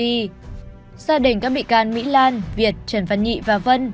gia đình các bị can mỹ lan việt trần văn nhị và vân